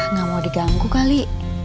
nggak mau diganggu kali